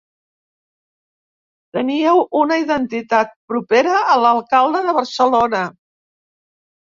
Teníeu una identitat propera a l'alcalde de Barcelona.